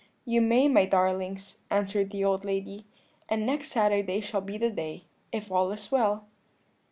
"'You may, my darlings,' answered the old lady; 'and next Saturday shall be the day, if all is well.'